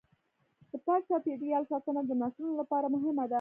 د پاک چاپیریال ساتنه د نسلونو لپاره مهمه ده.